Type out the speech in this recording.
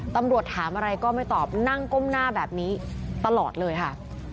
ตำรวจถามอะไรก็ไม่ตอบนั่งก้มหน้าแบบนี้ตลอดเลยค่ะ